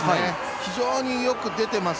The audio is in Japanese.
非常によく出ています。